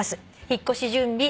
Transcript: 「引っ越し準備